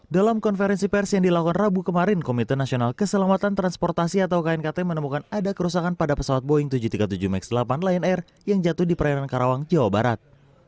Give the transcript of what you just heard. dalam konferensi pers yang dilakukan rabu kemarin komite nasional keselamatan transportasi atau knkt menemukan ada kerusakan pada pesawat boeing tujuh ratus tiga puluh tujuh max delapan lion air yang jatuh di perairan karawang jawa barat